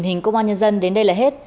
nhiệt độ nắng thì phát triển được của hà tư